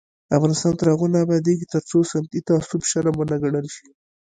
افغانستان تر هغو نه ابادیږي، ترڅو سمتي تعصب شرم ونه ګڼل شي.